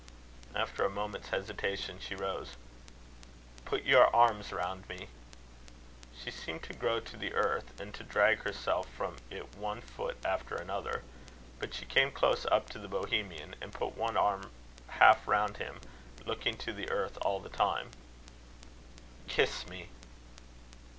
After a moment's hesitation, she rose. "Put your arms round me." She seemed to grow to the earth, and to drag herself from it, one foot after another. But she came close up to the Bohemian, and put one arm half round him, looking to the earth all the time. "Kiss me."